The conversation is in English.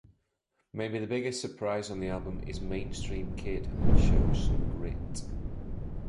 Maybe the biggest surprise on the album is "Mainstream Kid," which shows some grit!